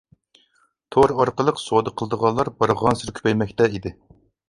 تور ئارقىلىق سودا قىلىدىغانلار بارغانسېرى كۆپەيمەكتە ئىدى.